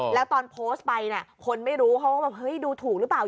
แล้วตอนโพสต์ไปเนี่ยคนไม่รู้เขาก็แบบเฮ้ยดูถูกหรือเปล่า